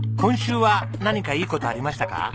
今週は何かいい事ありましたか？